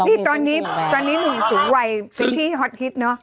นี่ตอนนี้หนูสูงวัยสิทธิฮอทฮิตเนอะ